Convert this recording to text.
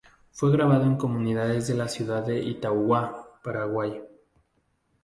Fue grabado en comunidades de la ciudad de Itauguá, Paraguay.